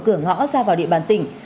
cửa ngõ ra vào địa bàn tỉnh